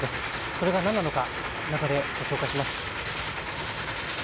それが何なのか、中でご紹介します。